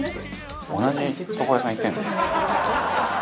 同じ床屋さん行ってるの？」